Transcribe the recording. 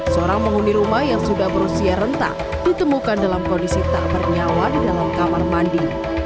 seorang penghuni rumah yang sudah berusia rentah ditemukan dalam kondisi tak bernyawa di dalam kamar mandi